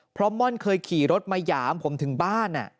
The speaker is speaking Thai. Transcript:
เพราะม่อนเคยขี่รถมาหยามผมถึงบ้าน